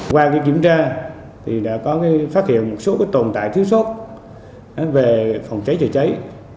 qua việc kiểm tra thì đã có phát hiện một số tồn tại thiếu sốt về phòng trái chữa trái